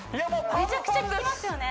めちゃくちゃききますよね